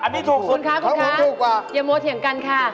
อันนี้ถูกสุดเขาถูกถูกกว่าคุณค่ะคุณค่ะอย่าโมเถียงกันค่ะ